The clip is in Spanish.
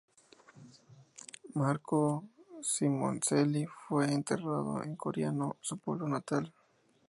Marco Simoncelli fue enterrado en Coriano, su pueblo natal.